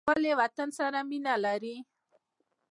افغانان ولې وطن سره مینه لري؟